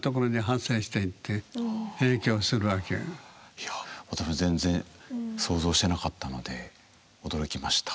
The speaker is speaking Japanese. いや私全然想像してなかったので驚きました。